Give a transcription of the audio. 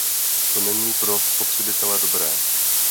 To není pro spotřebitele dobré.